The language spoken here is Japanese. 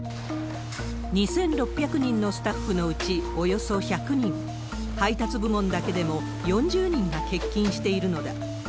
２６００人のスタッフのうち、およそ１００人、配達部門だけでも４０人が欠勤しているのだ。